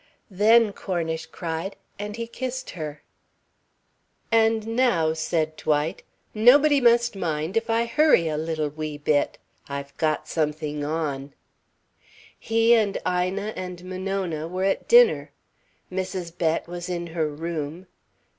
"Then!" Cornish cried, and he kissed her. "And now," said Dwight, "nobody must mind if I hurry a little wee bit. I've got something on." He and Ina and Monona were at dinner. Mrs. Bett was in her room.